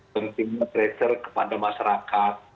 pentingnya pressure kepada masyarakat